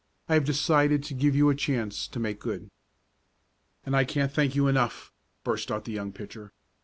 I have decided to give you a chance to make good." "And I can't thank you enough!" burst out the young pitcher.